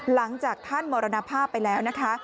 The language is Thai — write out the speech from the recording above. หลังจากท่านมรณภาพไปแล้วนะคะ